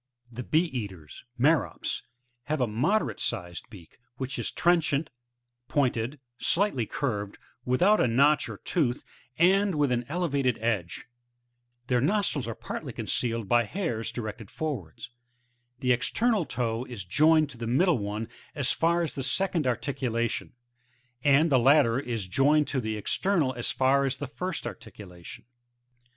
11. The 5ee ea/er«,— Jlicrop*,— have a moderate sized beak, which is trenchant, pointed, slightly curved, without a notch or tooth, and with an elevated edge ; their nostrils are partly con » cealed by hairs directed forwards; the external toe is joined to the middle one as far as the second articulation, and the latter is joined to the external, as fer as the first articulation.